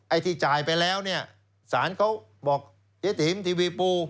ที่จ่ายไปแล้วเนี่ยสารเขาบอกเจ๊ติ๋มทีวีปู